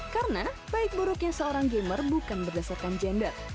karena baik buruknya seorang gamer bukan berdasarkan gender